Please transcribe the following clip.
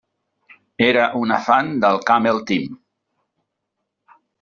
Era una fan del Camel Team.